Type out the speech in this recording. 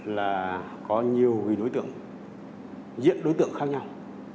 là có nhiều người đối tượng diễn đối tượng khác nhau